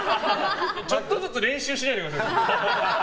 ちょっとずつ練習しないでください。